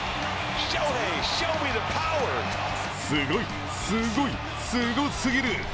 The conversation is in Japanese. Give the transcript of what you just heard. すごい、すごい、すごすぎる！